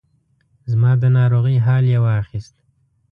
زما د ناروغۍ حال یې واخیست.